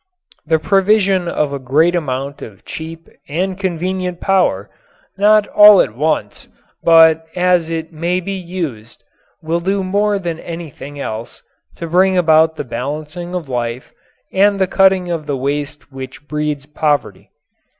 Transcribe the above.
The provision of a great amount of cheap and convenient power not all at once, but as it may be used will do more than anything else to bring about the balancing of life and the cutting of the waste which breeds poverty.